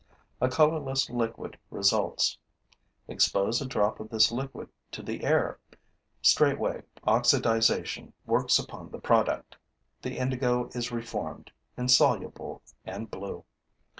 A colorless liquid results. Expose a drop of this liquid to the air. Straightway, oxidization works upon the product: the indigo is reformed, insoluble and blue.